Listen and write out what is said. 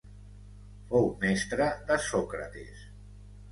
Fou mestre de Sòcrates.